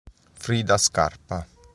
Frida Scarpa